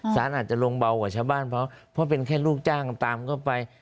สารอาจจะลงเบากว่าชาวบ้านเพราะเป็นแค่ลูกจ้างตามเข้าไป